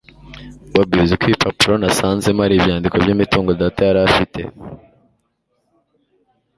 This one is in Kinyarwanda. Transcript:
bobi uziko ibipapuro nasanzemo ari ibyandiko byimitungo data yarafite